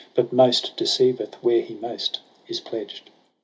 But most deceiveth where he most is pledged.